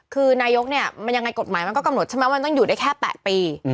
คือนายกเนี่ยมันยังไงกฎหมายมันก็กำหนดใช่ไหมมันต้องอยู่ได้แค่๘ปี